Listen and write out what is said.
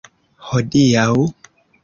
Hodiaŭ!?